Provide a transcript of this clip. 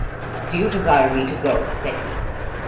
"Do you desire me to go?" said he.